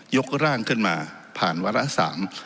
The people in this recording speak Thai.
กร่างขึ้นมาผ่านวาระสาม